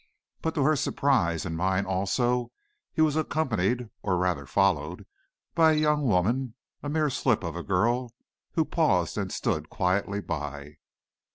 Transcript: But to her surprise, and mine also, he was accompanied, or rather followed, by a young woman, a mere slip of a girl, who paused and stood quietly by.